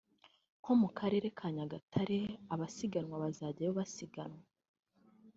nko mu karere ka Nyagatare abasiganwa bazajyayo basiganwa